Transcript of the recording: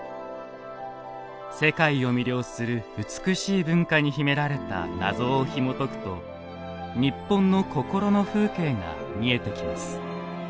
世界を魅了する美しい文化に秘められた謎をひもとくと日本の心の風景が見えてきます。